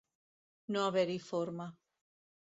No haver-hi forma.